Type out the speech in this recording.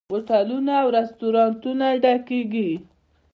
هوټلونه او رستورانتونه ډکیږي.